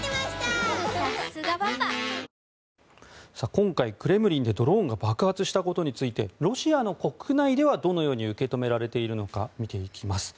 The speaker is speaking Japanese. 今回、クレムリンでドローンが爆発したことについてロシアの国内では、どのように受け止められているのか見ていきます。